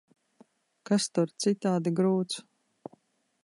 Kas tur citādi grūts?